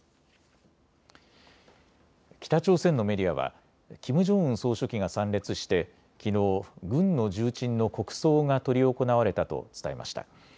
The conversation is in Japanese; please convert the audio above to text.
北朝鮮のメディアはキム・ジョンウン総書記が参列して、きのう軍の重鎮の国葬が執り行われたと伝えました。